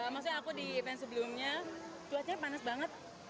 maksudnya aku di event sebelumnya cuacanya panas banget